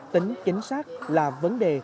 tính chính xác là vấn đề